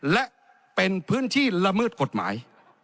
และเป็นพื้นที่ละเมิดกฎหมาย